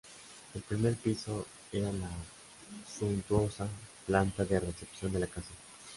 El primer piso era la suntuosa planta de recepción de la casa.